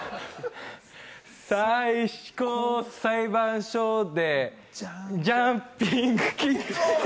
最高裁判所でジャンピングキーック！